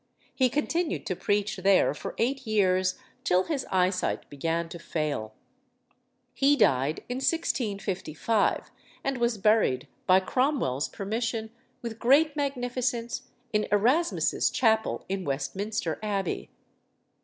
He continued to preach there for eight years, till his eyesight began to fail. He died in 1655, and was buried, by Cromwell's permission, with great magnificence, in Erasmus's chapel in Westminster Abbey.